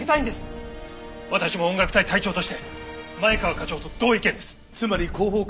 私も音楽隊隊長として前川課長と同意見です！